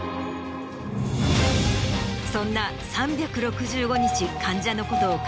そんな３６５日患者のことを考える